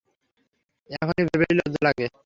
এখন ভেবেই লজ্জা লাগে।